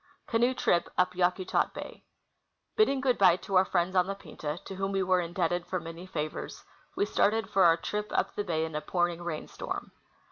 Canoe Trip up Yakutat Bay. Bidding good bye to our friends on the Pinta, to whom we were indebted for many favors, we' started for our trip up the bay in a pouring rain storm.